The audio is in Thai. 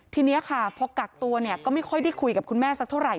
ทีนี้ค่ะพอกักตัวเนี่ยก็ไม่ค่อยได้คุยกับคุณแม่สักเท่าไห